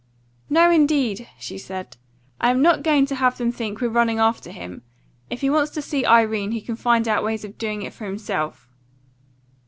"No, indeed!" she said. "I am not going to have them think we're running after him. If he wants to see Irene, he can find out ways of doing it for himself."